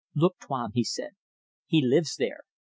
"Look, Tuan!" he said. "He lives there.